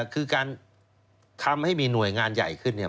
คือการทำให้มีหน่วยงานใหญ่ขึ้นเนี่ย